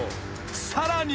［さらに］